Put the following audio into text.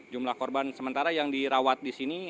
jumlah korban sementara yang dirawat disini